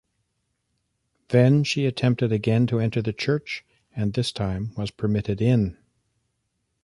Then she attempted again to enter the church, and this time was permitted in.